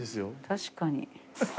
確かに。